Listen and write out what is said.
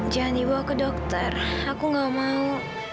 jangan dibawa ke dokter aku gak mau